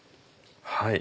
はい。